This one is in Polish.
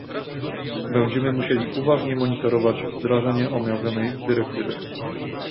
Będziemy musieli uważnie monitorować wdrażanie omawianej dyrektywy